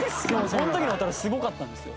その時の渉すごかったんですよ。